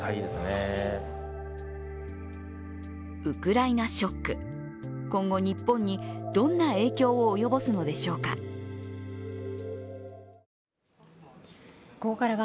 ウクライナショック、今後日本にどんな影響を及ぼすのでしょうか。